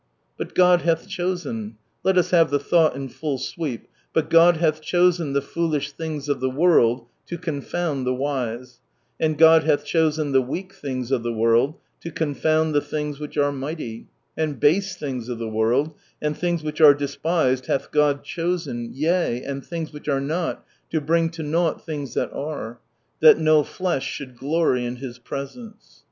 "But God hath chosen" — let us have the thought in full sweep— "but God hath chosen the foolish things of the world to confound the wise ; and God hath chosen the weak things of the world to confound the things which are mighty ; and base things of the world, and things which are despised hath God chosen, yea, and things which are not, to bring to nought things that are ; that no flesh should glory in His presence."